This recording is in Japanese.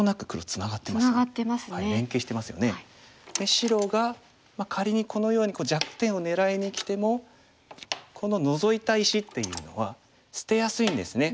白が仮にこのように弱点を狙いにきてもこのノゾいた石っていうのは捨てやすいんですね。